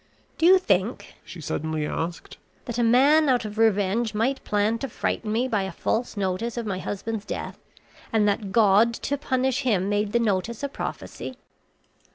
"Do you think," she suddenly asked, "that a man out of revenge might plan to frighten me by a false notice of my husband's death, and that God to punish him, made the notice a prophecy?"